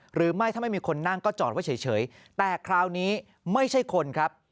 หรือไม่ถ้าไม่มีคนนั่งก็จอดไว้เฉยแต่คราวนี้ไม่ใช่คนครับ